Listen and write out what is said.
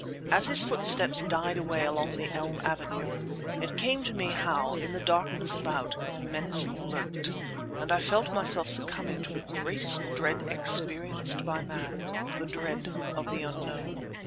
As his footsteps died away along the elm avenue, it came to me how, in the darkness about, menace lurked; and I felt myself succumbing to the greatest dread experienced by man—the dread of the unknown.